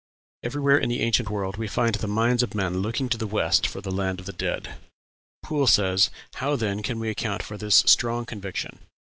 Everywhere in the ancient world we find the minds of men looking to the west for the land of the dead. Poole says, "How then can we account for this strong conviction?